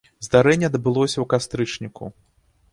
Здарэнне адбылося ў кастрычніку.